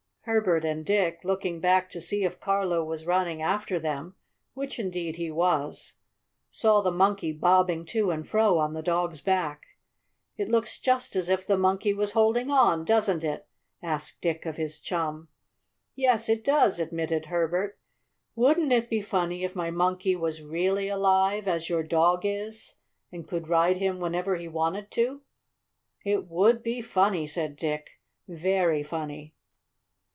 Herbert and Dick, looking back to see if Carlo was running after them (which indeed he was) saw the Monkey bobbing to and fro on the dog's back. "It looks just as if the Monkey was holding on, doesn't it?" asked Dick of his chum. "Yes, it does," admitted Herbert. "Wouldn't it be funny if my Monkey was really alive, as your dog is, and could ride him whenever he wanted to?" "It would be funny," said Dick. "Very funny!"